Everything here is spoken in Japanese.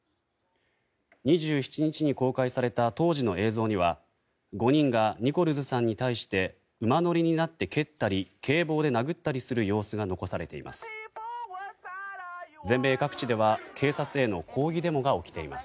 ２７日に公開された当時の映像には５人がニコルズさんに対して馬乗りになって蹴ったり警棒で殴ったりする様子が残されています。